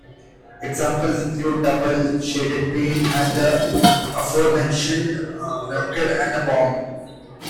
Examples include "Double," "Shaded Pain" and the aforementioned "Rocket and a Bomb.